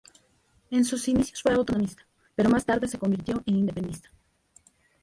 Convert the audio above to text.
En sus inicios fue autonomista, pero más tarde se convirtió en independentista.